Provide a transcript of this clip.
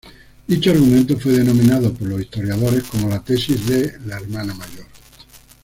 Dicho argumento fue denominado por los historiadores como la tesis de la ""hermana mayor"".